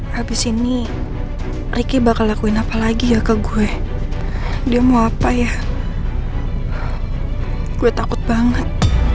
habis ini ricky bakal lakuin apa lagi ya ke gue dia mau apa ya gue takut banget